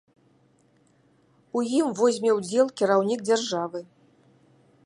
У ім возьме ўдзел кіраўнік дзяржавы.